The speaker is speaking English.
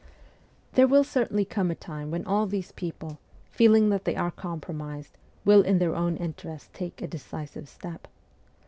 There certainly will come a time when all these people, feeling that they are com promised, will in their own interest take a decisive step.